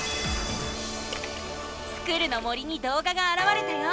スクる！の森にどうががあらわれたよ！